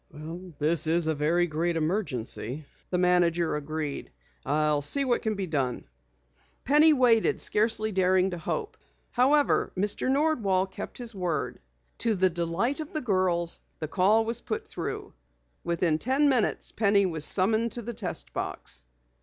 "This is a very great emergency," the manager agreed. "I'll see what can be done." Penny waited, scarcely daring to hope. However, Mr. Nordwall kept his word. To the delight of the girls, the call was put through. Within ten minutes Penny was summoned to the test box.